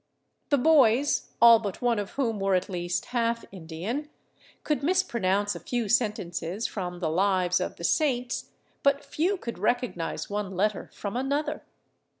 The boys, all but one of whom were at least half Indian, could mispro nounce a few sentences from the " Lives of the Saints," but few could recognize one letter from another.